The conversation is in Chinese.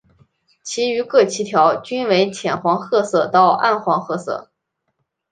其余各鳍条均为浅黄褐色到暗黄褐色。